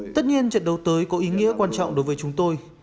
tất nhiên trận đấu tới có ý nghĩa quan trọng đối với chúng tôi